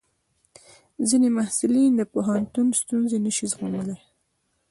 ځینې محصلین د پوهنتون ستونزې نشي زغملی.